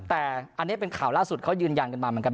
แต่อันนี้เป็นข่าวล่าสุดเขายืนยันกันมาเหมือนกัน